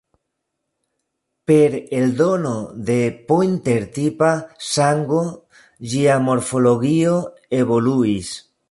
Per aldono de pointer-tipa sango, ĝia morfologio evoluis.